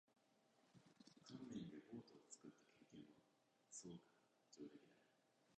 乾麺でボートを作った経験は？そうか。上出来だ。